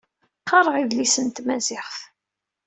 Qqareɣ idlisen n tmaziɣt.